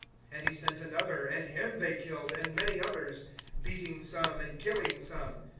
(5)And he sent another; and him they killed, and many others; beating some, and killing some.